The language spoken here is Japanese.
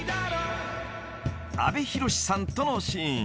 ［阿部寛さんとのシーン］